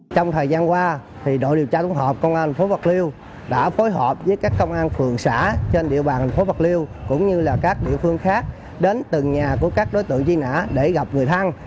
trong thời gian qua đội điều tra cũng hợp công an thành phố bạc liêu đã phối hợp với các công an phường xã trên địa bàn thành phố bạc liêu cũng như các địa phương khác đến từng nhà của các đối tượng truy nã để gặp người thân